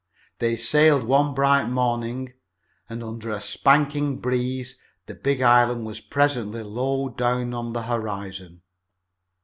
They sailed one bright morning, and under a spanking breeze the big island was presently low down on the horizon.